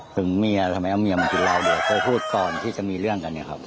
ถึงเมียทำไมเอาเมียมาถึงเราด้วยเค้าพูดก่อนที่จะมีเรื่องกันเนี่ยครับ